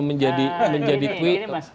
menjadi tweet apa untungnya